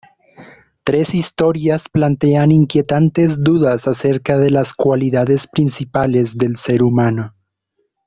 Tres historias plantean inquietantes dudas acerca de las cualidades principales del ser humano.